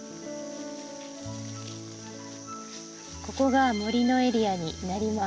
ここが森のエリアになります。